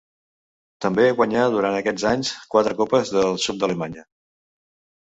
També guanyà durant aquests anys quatre copes del sud d'Alemanya.